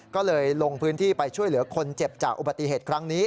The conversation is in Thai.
ก็เลยลงพื้นที่ไปช่วยเหลือคนเจ็บจากอุบัติเหตุครั้งนี้